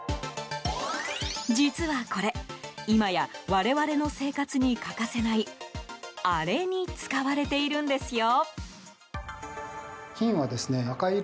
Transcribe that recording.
実はこれいまや我々の生活に欠かせないあれに使われているんですよ。